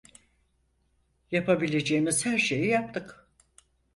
Yapabileceğimiz her şeyi yaptık.